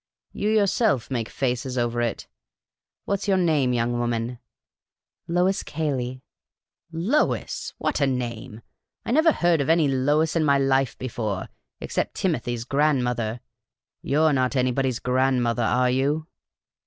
You yourself make faces ovei it. What 's your name, young woman ?" "LoisCayley." " Lois ! JV/mf a name ! I never heard of any Lois in my life before, except Timothy's grandmother. Vou 're not anybody's grandmother, are you